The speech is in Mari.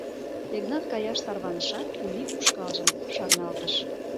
Йыгнат каяш тарванышат, Ули ушкалжым шарналтыш.